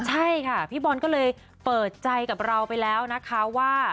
ใช่ค่ะพี่บอลก็เลยเปิดใจกับเราไปแล้วนะคะว่า